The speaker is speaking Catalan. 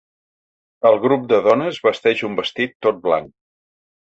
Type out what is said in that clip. El grup de dones vesteix un vestit tot blanc.